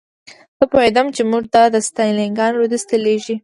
زه پوهېدم چې موږ د ستالینګراډ لویدیځ ته لېږي